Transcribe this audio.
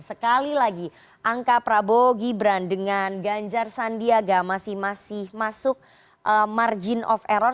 sekali lagi angka prabowo gibran dengan ganjar sandiaga masih masih masuk margin of error